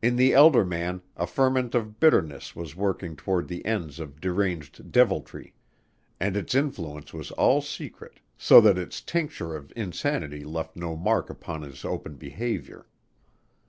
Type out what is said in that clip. In the elder man a ferment of bitterness was working toward the ends of deranged deviltry and its influence was all secret so that its tincture of insanity left no mark upon his open behavior.